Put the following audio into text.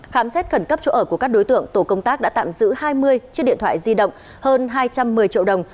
khám xét khẩn cấp chỗ ở của các đối tượng tổ công tác đã tạm giữ hai mươi chiếc điện thoại di động hơn hai trăm một mươi triệu đồng